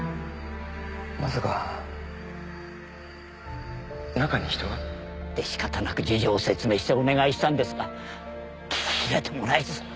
まさか中に人が？で仕方なく事情を説明してお願いしたんですが聞き入れてもらえず。